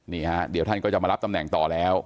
นี่ฮะเดี๋ยวท่านก็จะมารับตำแหน่งต่อแล้ว